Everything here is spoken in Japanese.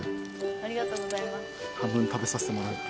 ありがとうございます。